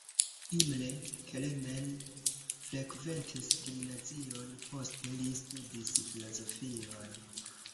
Imre Kelemen frekventis gimnazion, poste li studis filozofion.